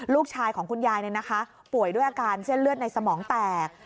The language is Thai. ลูกชายของคุณยายป่วยด้วยอาการเส้นเลือดในสมองแตก